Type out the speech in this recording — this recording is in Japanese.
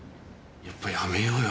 やっぱやめようよ。